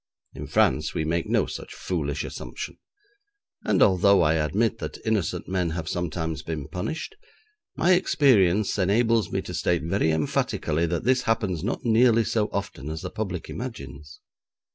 In France we make no such foolish assumption, and although I admit that innocent men have sometimes been punished, my experience enables me to state very emphatically that this happens not nearly so often as the public imagines.